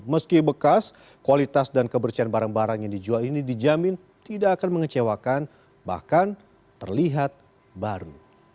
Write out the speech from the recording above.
meski bekas kualitas dan kebersihan barang barang yang dijual ini dijamin tidak akan mengecewakan bahkan terlihat baru